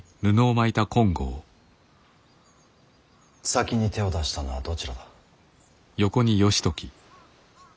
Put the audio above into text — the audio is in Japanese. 先に手を出したのはどちらだ。